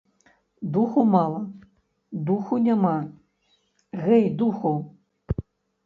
Духу мала, духу няма, гэй духу!